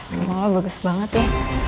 rumah lo bagus banget ya